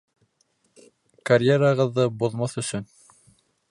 Карьерағыҙҙы боҙмаҫ өсөн.